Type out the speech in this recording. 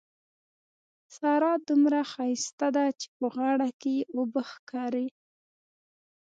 سارا دومره ښايسته ده چې په غاړه کې يې اوبه ښکاري.